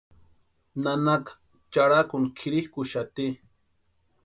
Nanaka charhakuni kʼirhikʼuxati.